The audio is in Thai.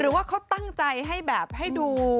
ว่าเขาตั้งใจให้แบบให้ดู